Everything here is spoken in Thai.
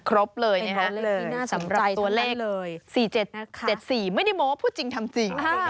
ครบเลยนะคะสำหรับตัวเลขเลย๔๗๔ไม่ได้โม้พูดจริงทำจริง